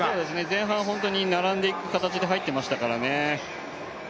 前半、並んでいく形で入っていきましたからね。